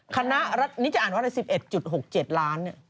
คณะรัฐนี่จะอ่านว่าอะไร๑๑๖๗ล้าน